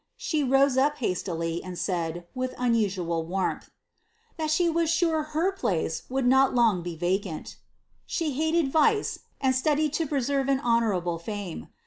S37 the roM up hastily^ and said, with unusual wannth —^ That she was tmn her place would not long be vacant.' She hated vice, and studied to preserve an honourable fame.